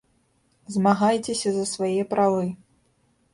Змагайцеся за свае правы.